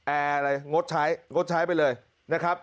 อะไรงดใช้งดใช้ไปเลยนะครับ